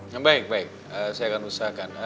yang baik baik saya akan usahakan